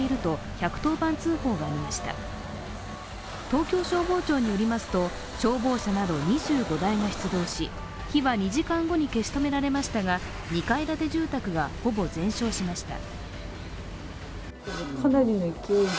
東京消防庁によりますと消防車など２５台が出動し火は２時間後に消し止められましたが、２階建て住宅がほぼ全焼しました。